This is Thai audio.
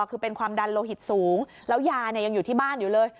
คือเป็นความดันโลหิตสูงแล้วยาเนี่ยยังอยู่ที่บ้านอยู่เลย